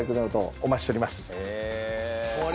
お待ちしております。